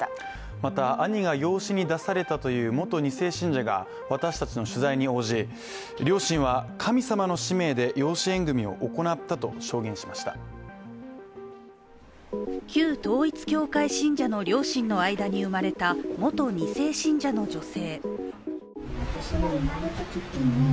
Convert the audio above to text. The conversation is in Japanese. また、兄が養子に出されましたという元２世信者が私たちの取材に応じ、両親は神様の使命で養子縁組を行ったと証言しました旧統一教会信者の両親の間に生まれた元２世信者の女性。